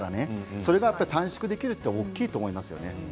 それが短縮できるのは大きいと思います。